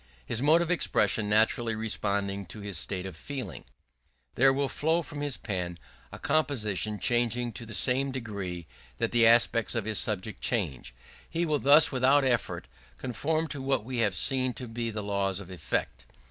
His mode of expression naturally responding to his state of feeling, there will flow from his pen a composition changing to the same degree that the aspects of his subject change. He will thus without effort conform to what we have seen to be the laws of effect.